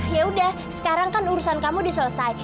ya udah sekarang kan urusan kamu udah selesai